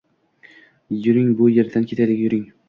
Yuring bu yerdan ketaylik yuring!..